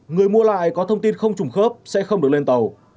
người mua lại có thông tin không trùng khớp sẽ không được lên tàu